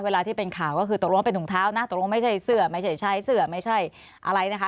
เวลาที่เป็นข่าวก็คือตกลงเป็นถุงเท้านะตกลงไม่ใช่เสื้อไม่ใช่ใช้เสื้อไม่ใช่อะไรนะคะ